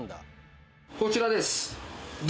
こちらです！